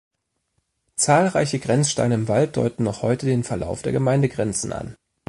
Zahlreiche Grenzsteine im Wald deuten noch heute den Verlauf der Gemeindegrenzen an.